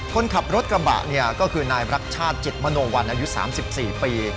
คนขับรถกระบะก็คือนายรักชาติจิตมโนวันอายุ๓๔ปี